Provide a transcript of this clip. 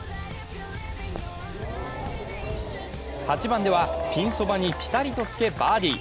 ８番では、ピンそばにぴたりとつけバーディー。